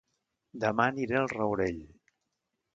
Dema aniré a El Rourell